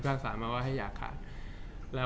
จากความไม่เข้าจันทร์ของผู้ใหญ่ของพ่อกับแม่